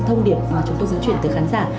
thông điệp mà chúng tôi giới truyền tới khán giả